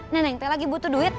neneng kayak lagi butuh duit